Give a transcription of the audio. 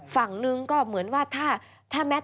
ฝั่งนึงก็เหมือนว่าถ้าแมท